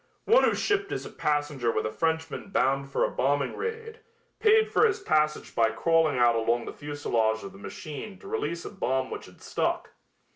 One who shipped as a passenger with a Frenchman bound for a bombing raid, paid for his passage by crawling out along the fuselage of the machine to release a bomb which had stuck.